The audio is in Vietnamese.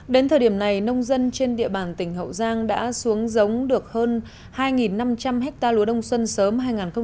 đến thời điểm này nông dân trên địa bàn tỉnh hậu giang đã xuống giống được hơn hai năm trăm linh ha lúa đông xuân sớm hai nghìn một mươi sáu hai nghìn một mươi bảy